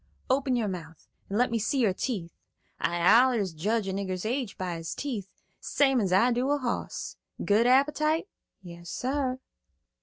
"Open your mouth, and let me see your teeth. I allers judge a nigger's age by his teeth, same as I do a hoss. Good appetite?" "Yas, sar."